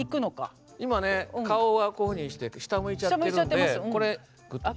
今ね顔はこういうふうにして下を向いちゃってるんでこれぐっと握る。